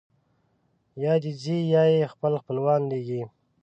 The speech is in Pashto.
یا دی ځي یا یې خپل خپلوان لېږي.